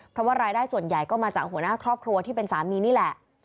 เพราะว่ารายได้ส่วนใหญ่ก็มาจากหัวหน้าครอบครัวที่เป็นสามีนี่แหละ